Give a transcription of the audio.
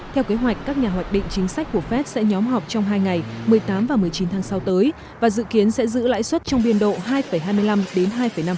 theo kế hoạch các nhà hoạch định chính sách của fed sẽ nhóm họp trong hai ngày một mươi tám và một mươi chín tháng sáu tới và dự kiến sẽ giữ lãi suất trong biên độ hai hai mươi năm đến hai năm